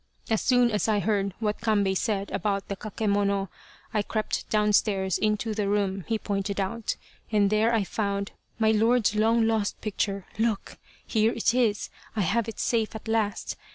As soon as I heard what Kambei said about the kakemono I crept downstairs and into the room he pointed out, and there I found my lord's long lost picture. Look, here it is ! I have it safe at last.